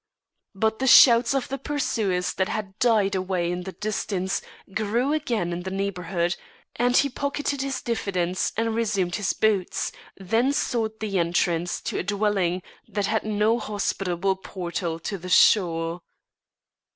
But the shouts of the pursuers that had died away in the distance grew again in the neighbourhood, and he pocketed his diffidence and resumed his boots, then sought the entrance to a dwelling that had no hospitable portal to the shore.